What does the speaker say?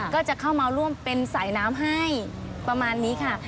ก็จะเข้ามาร่วมเป็นสายน้ำให้ประมาณนี้ค่ะ